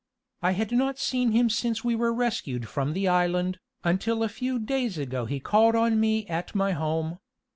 "I had not seen him since we were rescued from the island, until a few days ago he called on me at my home.